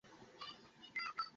তিনি Banu Najjar বংশোদ্ভূত।